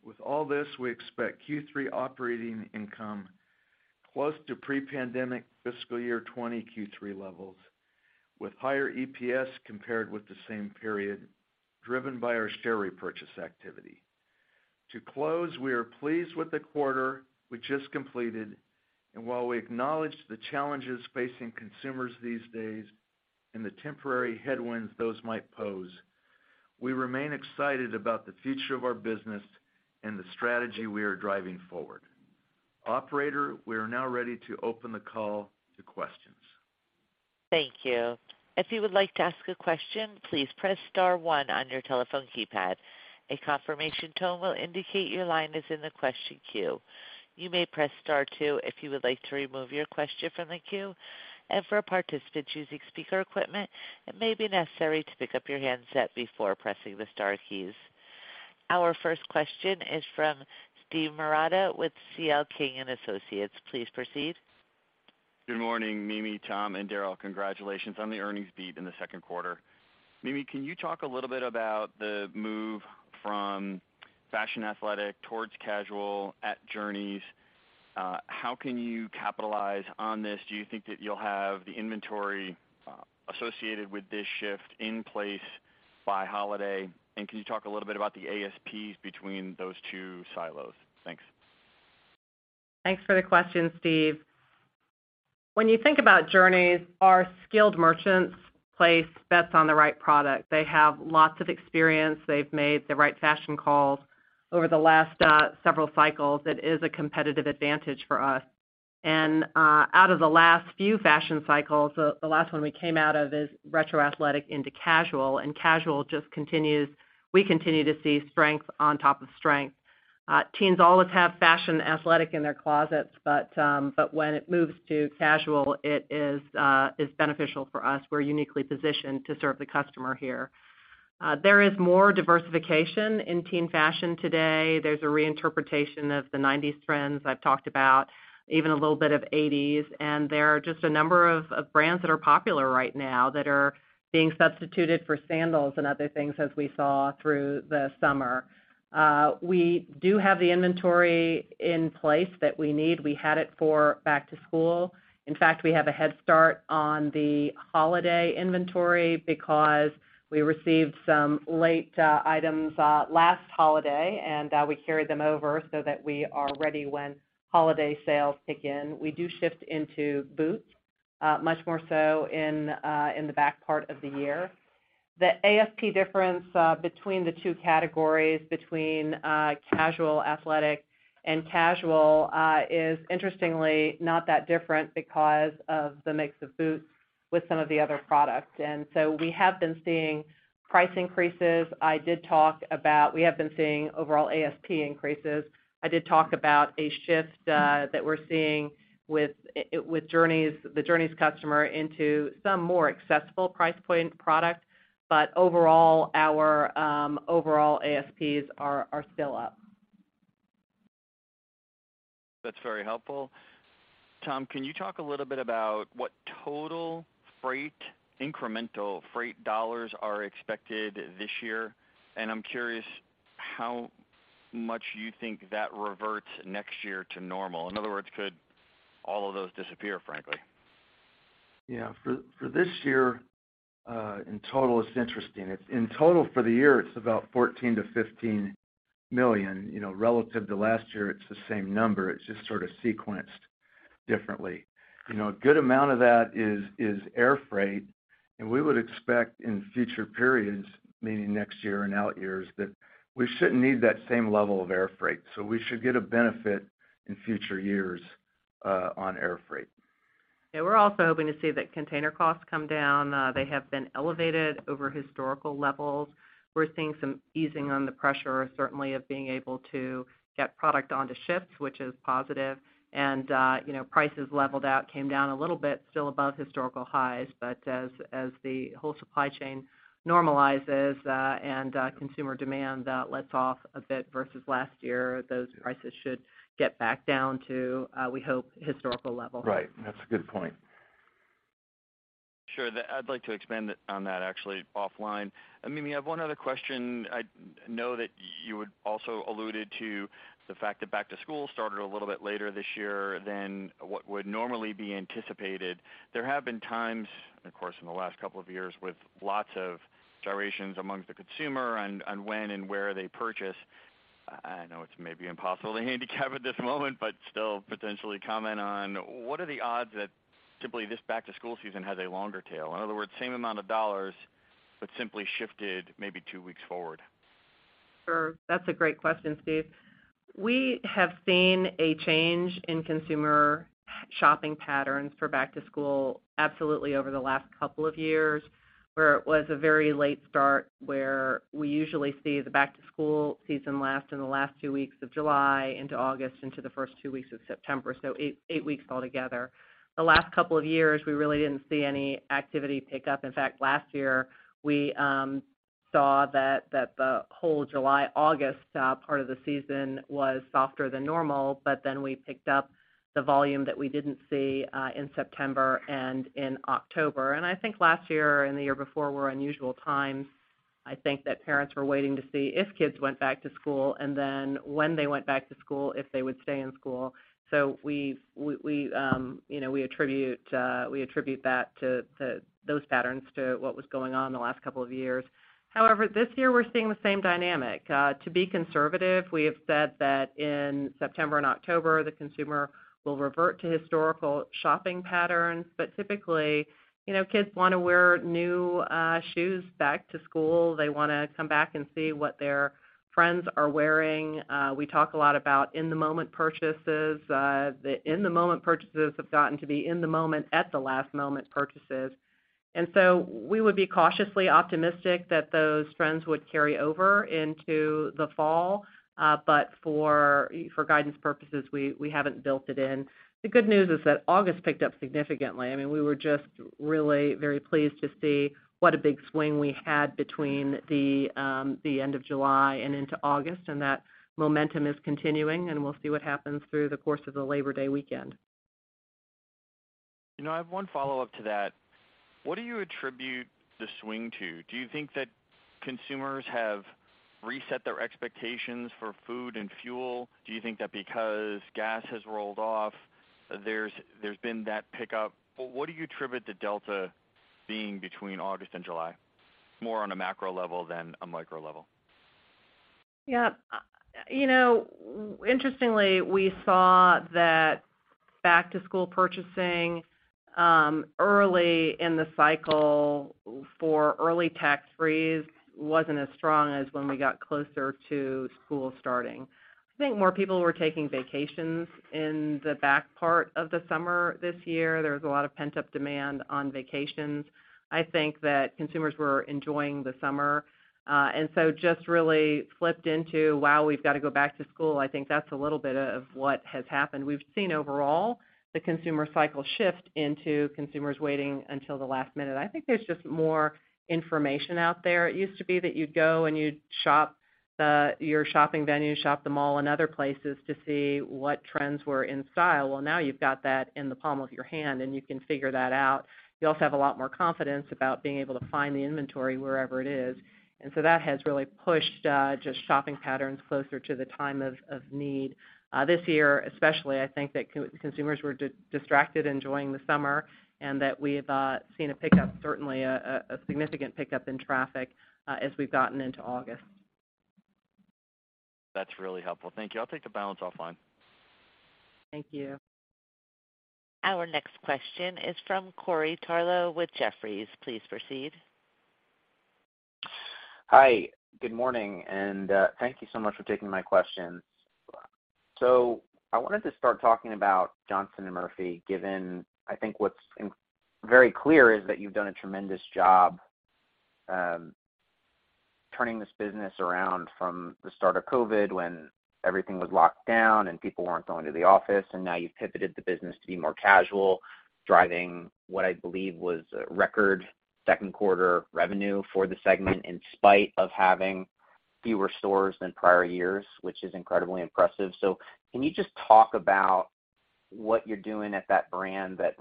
With all this, we expect Q3 operating income close to pre-pandemic fiscal year 2020 Q3 levels, with higher EPS compared with the same period driven by our share repurchase activity. To close, we are pleased with the quarter we just completed, and while we acknowledge the challenges facing consumers these days and the temporary headwinds those might pose, we remain excited about the future of our business and the strategy we are driving forward. Operator, we are now ready to open the call to questions. Thank you. If you would like to ask a question, please press star one on your telephone keypad. A confirmation tone will indicate your line is in the question queue. You may press star two if you would like to remove your question from the queue. For participants using speaker equipment, it may be necessary to pick up your handset before pressing the star keys. Our first question is from Steve Marotta with C.L. King & Associates. Please proceed. Good morning, Mimi, Tom, and Darryl. Congratulations on the earnings beat in the second quarter. Mimi, can you talk a little bit about the move from fashion athletic towards casual at Journeys? How can you capitalize on this? Do you think that you'll have the inventory associated with this shift in place by holiday? Can you talk a little bit about the ASPs between those two silos? Thanks. Thanks for the question, Steve. When you think about Journeys, our skilled merchants place bets on the right product. They have lots of experience. They've made the right fashion calls over the last several cycles. It is a competitive advantage for us. Out of the last few fashion cycles, the last one we came out of is retro athletic into casual, and casual just continues, we continue to see strength on top of strength. Teens always have fashion athletic in their closets, but when it moves to casual, it's beneficial for us. We're uniquely positioned to serve the customer here. There is more diversification in teen fashion today. There's a reinterpretation of the 90s trends I've talked about, even a little bit of eighties. There are just a number of brands that are popular right now that are being substituted for sandals and other things as we saw through the summer. We do have the inventory in place that we need. We had it for back to school. In fact, we have a head start on the holiday inventory because we received some late items last holiday, and we carried them over so that we are ready when holiday sales kick in. We do shift into boots much more so in the back part of the year. The ASP difference between the two categories, between casual athletic and casual, is interestingly not that different because of the mix of boots with some of the other products. We have been seeing price increases. I did talk about we have been seeing overall ASP increases. I did talk about a shift that we're seeing with Journeys, the Journeys customer into some more accessible price point product. Overall, our overall ASPs are still up. That's very helpful. Tom, can you talk a little bit about what total freight, incremental freight dollars are expected this year? I'm curious how much you think that reverts next year to normal. In other words, could all of those disappear, frankly? For this year, in total, it's interesting. It's in total for the year, it's about $14 million-$15 million. You know, relative to last year, it's the same number. It's just sort of sequenced differently. You know, a good amount of that is air freight. We would expect in future periods, meaning next year and out years, that we shouldn't need that same level of air freight. We should get a benefit in future years, on air freight. Yeah, we're also hoping to see that container costs come down. They have been elevated over historical levels. We're seeing some easing on the pressure, certainly of being able to get product onto ships, which is positive. You know, prices leveled out, came down a little bit, still above historical highs. As the whole supply chain normalizes, and consumer demand lets off a bit versus last year, those prices should get back down to, we hope, historical level. Right. That's a good point. Sure. I'd like to expand it on that actually offline. I mean, we have one other question. I know that you had also alluded to the fact that back to school started a little bit later this year than what would normally be anticipated. There have been times, of course, in the last couple of years, with lots of gyrations amongst the consumer on when and where they purchase. I know it's maybe impossible to handicap at this moment, but still potentially comment on what are the odds that simply this back to school season has a longer tail? In other words, same amount of dollars but simply shifted maybe two weeks forward. Sure. That's a great question, Steve. We have seen a change in consumer shopping patterns for back to school absolutely over the last couple of years, where it was a very late start, where we usually see the back to school season last in the last two weeks of July into August into the first two weeks of September, so eight weeks altogether. The last couple of years, we really didn't see any activity pick up. In fact, last year we saw that the whole July-August part of the season was softer than normal. Then we picked up the volume that we didn't see in September and in October. I think last year and the year before were unusual times. I think that parents were waiting to see if kids went back to school, and then when they went back to school, if they would stay in school. We, you know, attribute that to those patterns to what was going on the last couple of years. However, this year we're seeing the same dynamic. To be conservative, we have said that in September and October, the consumer will revert to historical shopping patterns. Typically, you know, kids wanna wear new shoes back to school. They wanna come back and see what their friends are wearing. We talk a lot about in the moment purchases. The in the moment purchases have gotten to be in the moment at the last moment purchases. We would be cautiously optimistic that those trends would carry over into the fall. For guidance purposes, we haven't built it in. The good news is that August picked up significantly. I mean, we were just really very pleased to see what a big swing we had between the end of July and into August, and that momentum is continuing, and we'll see what happens through the course of the Labor Day weekend. You know, I have one follow-up to that. What do you attribute the swing to? Do you think that consumers have reset their expectations for food and fuel? Do you think that because gas has rolled off, there's been that pickup? What do you attribute the delta being between August and July, more on a macro level than a micro level? Yeah. You know, interestingly, we saw that back to school purchasing early in the cycle for early tax-free wasn't as strong as when we got closer to school starting. I think more people were taking vacations in the back part of the summer this year. There was a lot of pent-up demand on vacations. I think that consumers were enjoying the summer, and so just really flipped into, wow, we've got to go back to school. I think that's a little bit of what has happened. We've seen overall the consumer cycle shift into consumers waiting until the last minute. I think there's just more information out there. It used to be that you'd go and you'd shop the mall and other places to see what trends were in style. Well, now you've got that in the palm of your hand, and you can figure that out. You also have a lot more confidence about being able to find the inventory wherever it is. That has really pushed just shopping patterns closer to the time of need. This year especially, I think that consumers were distracted enjoying the summer, and that we've seen a pickup, certainly a significant pickup in traffic, as we've gotten into August. That's really helpful. Thank you. I'll take the balance offline. Thank you. Our next question is from Corey Tarlowe with Jefferies. Please proceed. Hi. Good morning, and, thank you so much for taking my questions. I wanted to start talking about Johnston & Murphy, given I think what's very clear is that you've done a tremendous job, turning this business around from the start of COVID when everything was locked down and people weren't going to the office, and now you've pivoted the business to be more casual, driving what I believe was a record second quarter revenue for the segment in spite of having fewer stores than prior years, which is incredibly impressive. Can you just talk about what you're doing at that brand that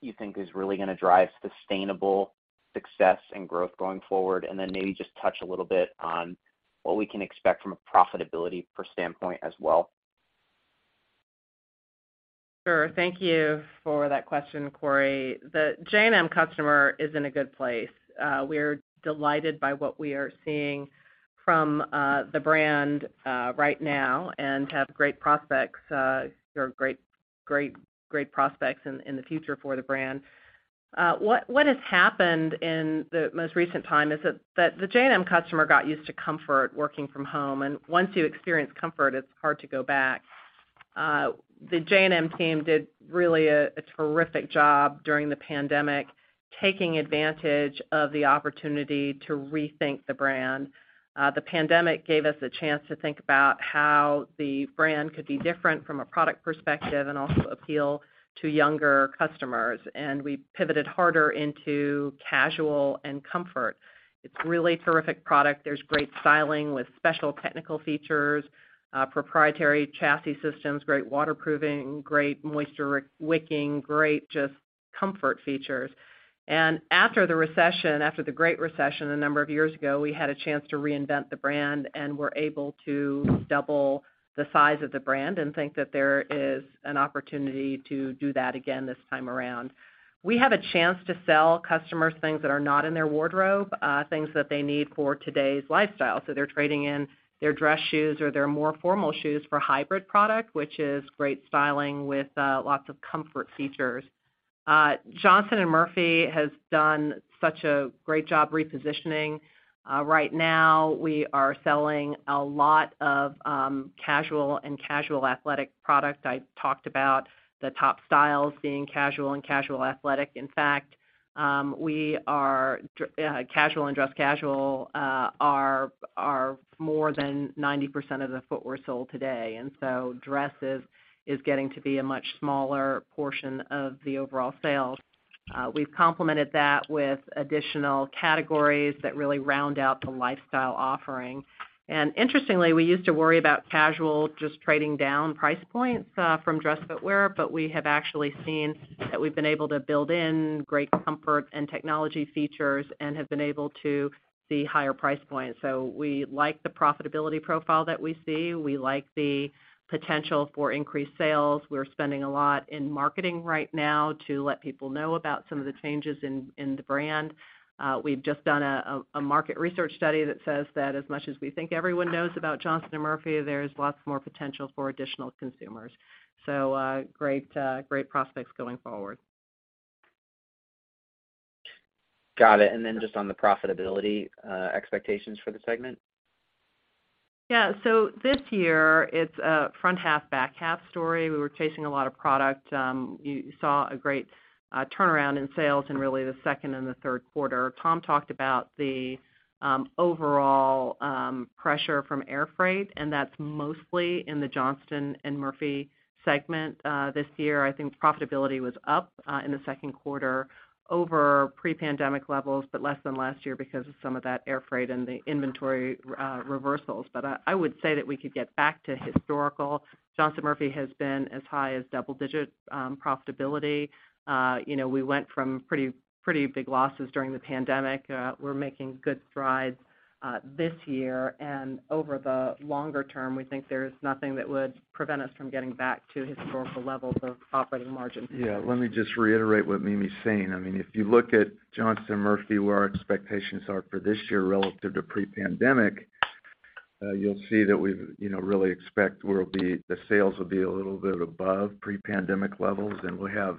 you think is really gonna drive sustainable success and growth going forward? And then maybe just touch a little bit on what we can expect from a profitability standpoint as well. Sure. Thank you for that question, Corey. The J&M customer is in a good place. We're delighted by what we are seeing from the brand right now and have great prospects in the future for the brand. What has happened in the most recent time is that the J&M customer got used to comfort working from home, and once you experience comfort, it's hard to go back. The J&M team did a really terrific job during the pandemic, taking advantage of the opportunity to rethink the brand. The pandemic gave us a chance to think about how the brand could be different from a product perspective and also appeal to younger customers. We pivoted harder into casual and comfort. It's really terrific product. There's great styling with special technical features, proprietary chassis systems, great waterproofing, great moisture wicking, great just comfort features. After the great recession a number of years ago, we had a chance to reinvent the brand and were able to double the size of the brand and think that there is an opportunity to do that again this time around. We have a chance to sell customers things that are not in their wardrobe, things that they need for today's lifestyle. They're trading in their dress Schuh's or their more formal Schuh's for hybrid product, which is great styling with lots of comfort features. Johnston & Murphy has done such a great job repositioning. Right now, we are selling a lot of casual and casual athletic product. I talked about the top styles being casual and casual athletic. In fact, casual and dress casual are more than 90% of the footwear sold today, dress is getting to be a much smaller portion of the overall sales. We've complemented that with additional categories that really round out the lifestyle offering. Interestingly, we used to worry about casual just trading down price points from dress footwear, but we have actually seen that we've been able to build in great comfort and technology features and have been able to see higher price points. We like the profitability profile that we see. We like the potential for increased sales. We're spending a lot in marketing right now to let people know about some of the changes in the brand. We've just done a market research study that says that as much as we think everyone knows about Johnston & Murphy, there's lots more potential for additional consumers. Great prospects going forward. Got it. Just on the profitability, expectations for the segment. Yeah. This year it's a front half, back half story. We were chasing a lot of product. You saw a great turnaround in sales in the second and the third quarter. Tom talked about overall pressure from air freight, and that's mostly in the Johnston & Murphy segment. This year, I think profitability was up in the second quarter over pre-pandemic levels, but less than last year because of some of that air freight and the inventory reversals. I would say that we could get back to historical. Johnston & Murphy has been as high as double-digit profitability. You know, we went from pretty big losses during the pandemic. We're making good strides this year. Over the longer term, we think there's nothing that would prevent us from getting back to historical levels of operating margin. Yeah, let me just reiterate what Mimi's saying. I mean, if you look at Johnston & Murphy, where our expectations are for this year relative to pre-pandemic, you'll see that we've you know really expect the sales will be a little bit above pre-pandemic levels, and we'll have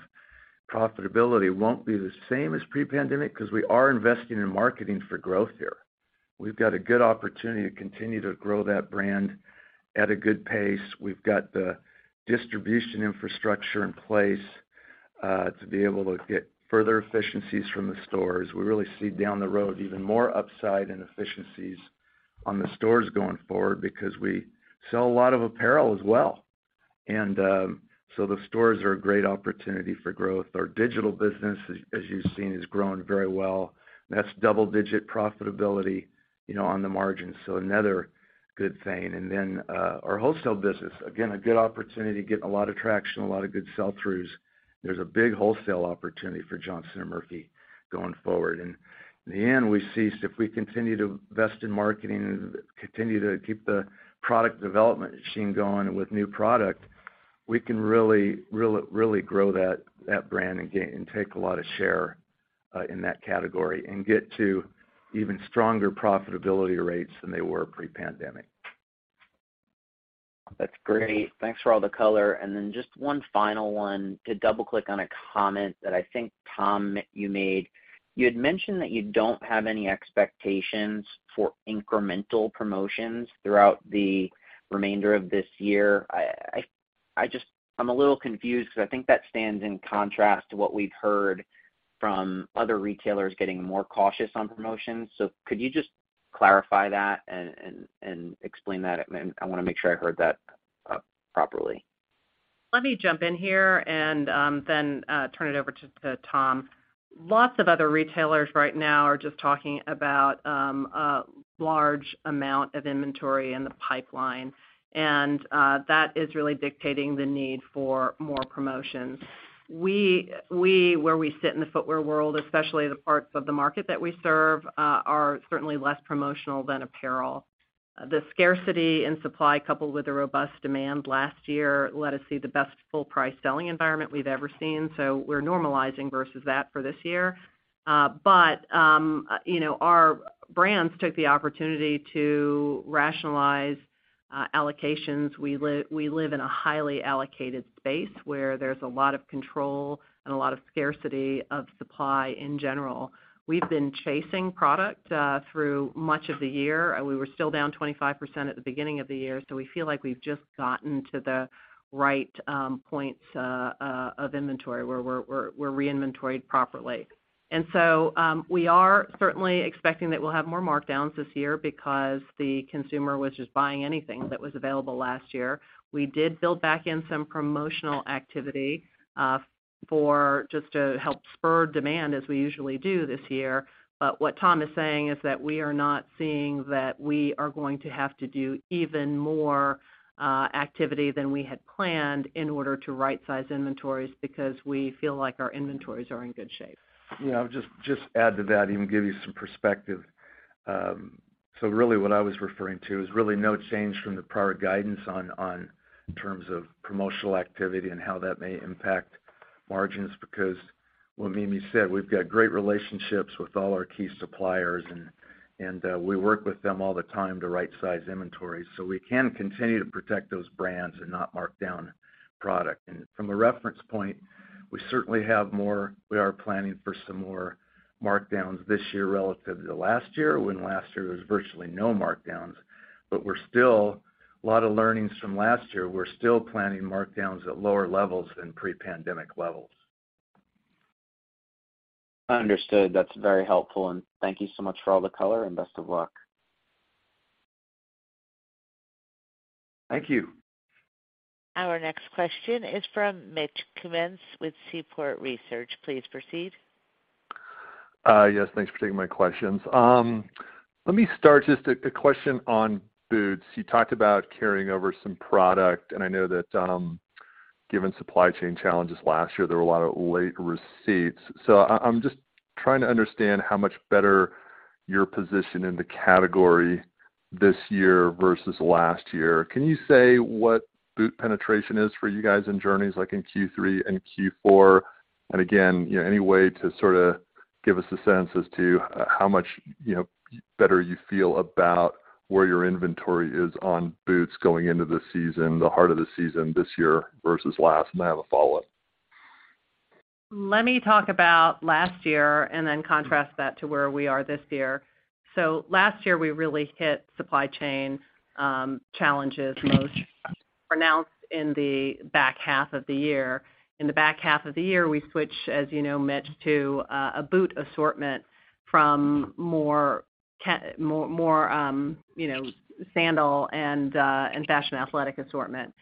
profitability. Won't be the same as pre-pandemic 'cause we are investing in marketing for growth here. We've got a good opportunity to continue to grow that brand at a good pace. We've got the distribution infrastructure in place to be able to get further efficiencies from the stores. We really see down the road even more upside and efficiencies on the stores going forward because we sell a lot of apparel as well. The stores are a great opportunity for growth. Our digital business as you've seen has grown very well. That's double-digit profitability, you know, on the margin, so another good thing. Our wholesale business, again, a good opportunity to get a lot of traction, a lot of good sell-throughs. There's a big wholesale opportunity for Johnston & Murphy going forward. In the end, we see if we continue to invest in marketing and continue to keep the product development machine going with new product, we can really grow that brand and gain and take a lot of share in that category and get to even stronger profitability rates than they were pre-pandemic. That's great. Thanks for all the color. Just one final one, to double-click on a comment that I think, Tom, you made. You had mentioned that you don't have any expectations for incremental promotions throughout the remainder of this year. I'm a little confused because I think that stands in contrast to what we've heard from other retailers getting more cautious on promotions. Could you just clarify that and explain that? I wanna make sure I heard that properly. Let me jump in here and then turn it over to Tom. Lots of other retailers right now are just talking about a large amount of inventory in the pipeline, and that is really dictating the need for more promotions. Where we sit in the footwear world, especially the parts of the market that we serve, are certainly less promotional than apparel. The scarcity in supply, coupled with the robust demand last year, let us see the best full price selling environment we've ever seen. We're normalizing versus that for this year. You know, our brands took the opportunity to rationalize allocations. We live in a highly allocated space where there's a lot of control and a lot of scarcity of supply in general. We've been chasing product through much of the year. We were still down 25% at the beginning of the year, so we feel like we've just gotten to the right points of inventory, where we're re-inventoried properly. We are certainly expecting that we'll have more markdowns this year because the consumer was just buying anything that was available last year. We did build back in some promotional activity for just to help spur demand, as we usually do this year. What Tom is saying is that we are not seeing that we are going to have to do even more activity than we had planned in order to right-size inventories, because we feel like our inventories are in good shape. Yeah, I'll just add to that and give you some perspective. Really what I was referring to is really no change from the prior guidance on terms of promotional activity and how that may impact margins, because what Mimi said, we've got great relationships with all our key suppliers and we work with them all the time to right-size inventory so we can continue to protect those brands and not mark down product. From a reference point, we are planning for some more markdowns this year relative to last year, when last year there was virtually no markdowns. A lot of learnings from last year. We're still planning markdowns at lower levels than pre-pandemic levels. Understood. That's very helpful, and thank you so much for all the color, and best of luck. Thank you. Our next question is from Mitch Kummetz with Seaport Research. Please proceed. Yes, thanks for taking my questions. Let me start just a question on boots. You talked about carrying over some product, and I know that, given supply chain challenges last year, there were a lot of late receipts. I'm just trying to understand how much better your position in the category this year versus last year. Can you say what boot penetration is for you guys in Journeys, like in Q3 and Q4? And again, you know, any way to sort of give us a sense as to how much, you know, better you feel about where your inventory is on boots going into the season, the heart of the season this year versus last? And I have a follow-up. Let me talk about last year and then contrast that to where we are this year. Last year, we really hit supply chain challenges most pronounced in the back half of the year. In the back half of the year, we switched, as you know, Mitch, to a boot assortment from more, you know, sandal and fashion athletic assortment.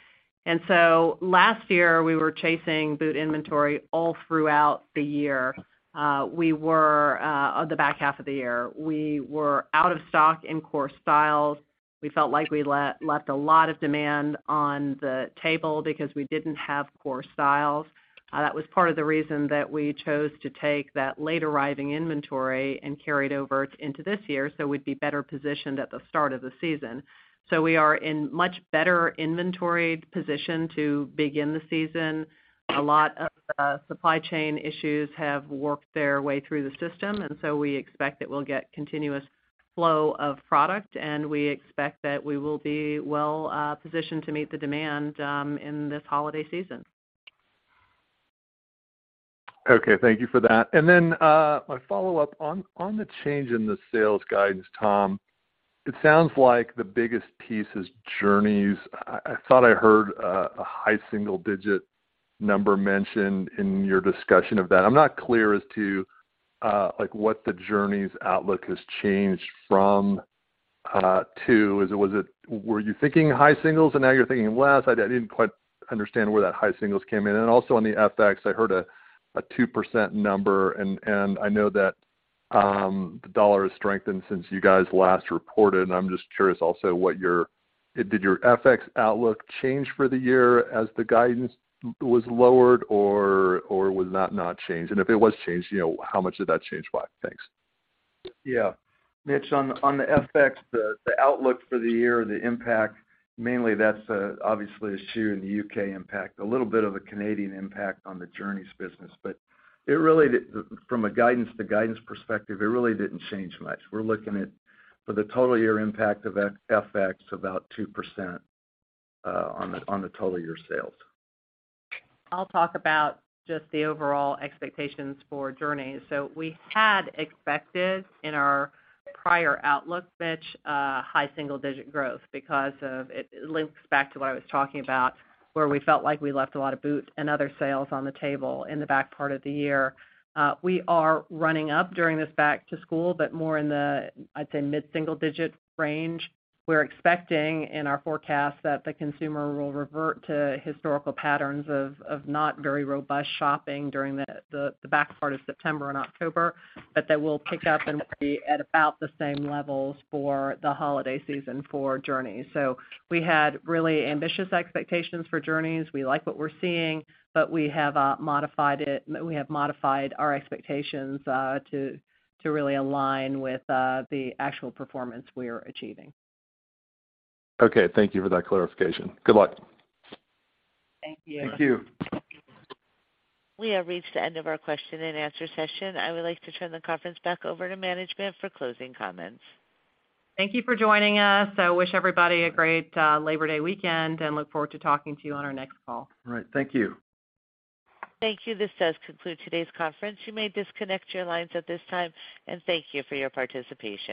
Last year, we were chasing boot inventory all throughout the year. The back half of the year, we were out of stock in core styles. We felt like we left a lot of demand on the table because we didn't have core styles. That was part of the reason that we chose to take that late-arriving inventory and carry it over into this year, so we'd be better positioned at the start of the season. We are in much better inventory position to begin the season. A lot of the supply chain issues have worked their way through the system, and so we expect that we'll get continuous flow of product, and we expect that we will be well positioned to meet the demand in this holiday season. Okay. Thank you for that. My follow-up on the change in the sales guidance, Tom, it sounds like the biggest piece is Journeys. I thought I heard a high single digit number mentioned in your discussion of that. I'm not clear as to, like, what the Journeys outlook has changed from to. Were you thinking high singles and now you're thinking less? I didn't quite understand where that high singles came in. Also on the FX, I heard a 2% number, and I know that the dollar has strengthened since you guys last reported, and I'm just curious also did your FX outlook change for the year as the guidance was lowered, or was that not changed? If it was changed, you know, how much did that change by? Thanks. Yeah. Mitch, on the FX, the outlook for the year, the impact, mainly that's obviously a Schuh in the U.K. impact. A little bit of a Canadian impact on the Journeys business. From a guidance to guidance perspective, it really didn't change much. We're looking at, for the total year impact of FX, about 2%, on the total year sales. I'll talk about just the overall expectations for Journeys. We had expected in our prior outlook, Mitch, high single-digit growth because it links back to what I was talking about, where we felt like we left a lot of boots and other sales on the table in the back part of the year. We are running up during this back to school, but more in the, I'd say, mid-single-digit range. We're expecting in our forecast that the consumer will revert to historical patterns of not very robust shopping during the back part of September and October, but that will pick up and will be at about the same levels for the holiday season for Journeys. We had really ambitious expectations for Journeys. We like what we're seeing, but we have modified it. We have modified our expectations to really align with the actual performance we are achieving. Okay. Thank you for that clarification. Good luck. Thank you. Thank you. We have reached the end of our question and answer session. I would like to turn the conference back over to management for closing comments. Thank you for joining us. I wish everybody a great Labor Day weekend, and look forward to talking to you on our next call. All right. Thank you. Thank you. This does conclude today's conference. You may disconnect your lines at this time, and thank you for your participation.